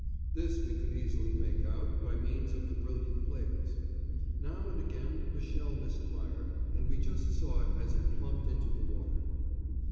This we could easily make out by means of the brilliant flares. Now and again a shell missed fire, and we just saw it as it plumped into the water.